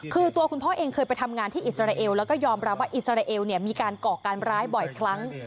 คือตัวคุณพ่อเองเคยไปทำงานที่อิสราเอลแล้วก็ยอมรับว่าอิสราเอลมีการก่อการร้ายบ่อยครั้ง